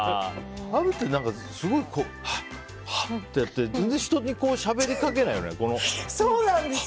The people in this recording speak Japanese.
アブって、すごいハアハアってやって全然、人にしゃべりかけないよね。